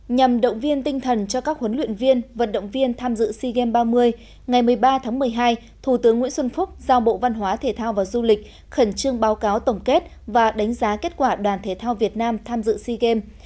nhằm động viên tinh thần cho các huấn luyện viên vận động viên tham dự sea games ba mươi ngày một mươi ba tháng một mươi hai thủ tướng nguyễn xuân phúc giao bộ văn hóa thể thao và du lịch khẩn trương báo cáo tổng kết và đánh giá kết quả đoàn thể thao việt nam tham dự sea games